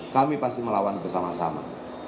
kami pasti melawan bersama sama